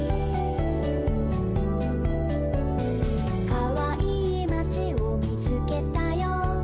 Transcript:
「かわいいまちをみつけたよ」